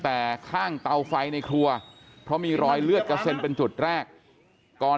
แต่ข้างเตาไฟในครัวเพราะมีรอยเลือดกระเซ็นเป็นจุดแรกก่อน